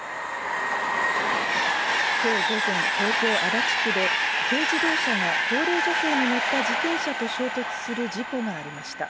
きょう午前、東京・足立区で、軽自動車が高齢女性の乗った自転車と衝突する事故がありました。